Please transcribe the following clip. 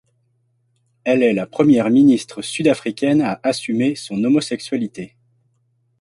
Elle est la première ministre sud-africaine à assumer son homosexualité.